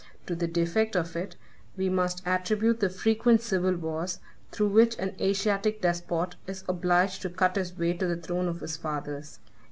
To the defect of it we must attribute the frequent civil wars, through which an Asiatic despot is obliged to cut his way to the throne of his fathers.